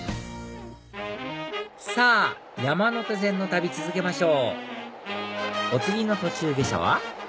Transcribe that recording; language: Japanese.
さぁ山手線の旅続けましょうお次の途中下車は？